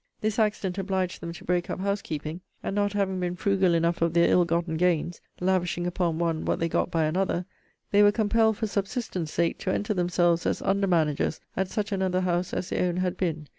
This accident obliged them to break up house keeping; and not having been frugal enough of their ill gotten gains, (lavishing upon one what they got by another,) they were compelled, for subsistence sake, to enter themselves as under managers at such another house as their own had been.